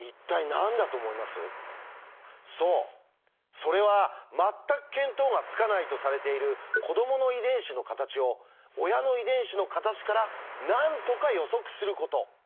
そうそれは全く見当がつかないとされている“子ども”の遺伝子の形を親の遺伝子の形からなんとか予測すること。